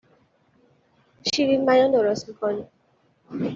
شیرین بیان درست میکنیم